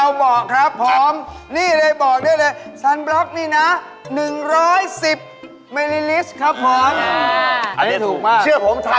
เออขอบคุณครับทุกสามท่านเลยค่ะครับขอบคุณครับ